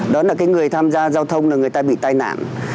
đó là người tham gia giao thông người ta bị tai nạn